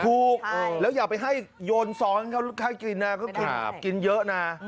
ถูกแล้วอย่าไปให้โยนซ้อนเขาให้กินนะเขากินกินเยอะนะ